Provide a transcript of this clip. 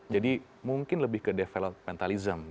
jadi mungkin lebih ke developmentalism